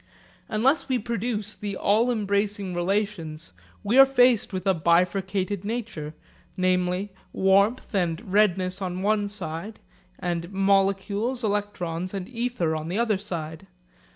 Unless we produce the all embracing relations, we are faced with a bifurcated nature; namely, warmth and redness on one side, and molecules, electrons and ether on the other side.